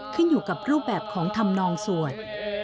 ขึ้นอยู่กับรูปแบบของธรรมนองสวด